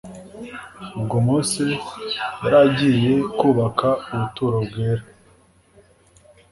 Ubwo Mose yari agiye kubaka ubuturo bwera